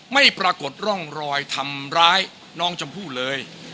ไม่ปรากฏร่องรอยทำร้ายน้องชมพู่เลย